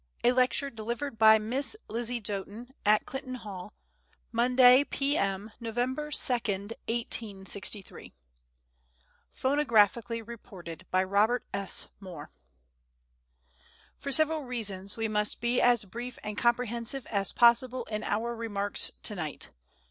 A LECTURE DELIVERED BY MISS LIZZIE DOTEN, AT CLINTON HALL, MONDAY, P. M., NOV. 2, 1863. [Phonographically reported by Robert S. Moore.] For several reasons, we must be as brief and comprehensive as possible in our remarks to night.